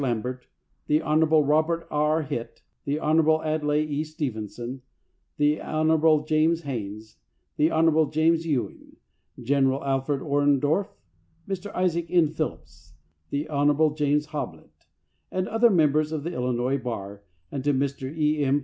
Lambert, the Hon. Robert R. Hitt, the Hon. Adlai E. Stevenson, the Hon. James Haines, the Hon. James Ewing, General Alfred Orendorff, Mr. Isaac N. Phillips, the Hon. James Hoblit, and other members of the Illinois Bar, and to Mr. E. M.